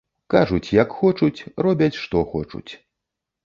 Кажуць як хочуць, робяць што хочуць.